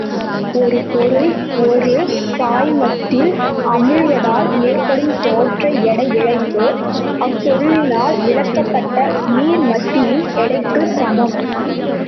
ஒரு பொருள் ஒரு பாய்மத்தில் அமிழ்வதால் ஏற்படும் தோற்ற எடை இழப்பு, அப்பொருளினால் விலக்கப்பட்ட நீர்மத்தின் எடைக்குச் சமம்.